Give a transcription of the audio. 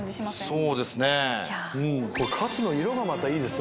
・そうですね・カツの色がまたいいですね